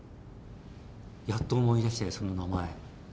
やっと思い出したよその名前。